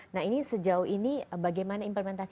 nah ini sejauh ini bagaimana implementasi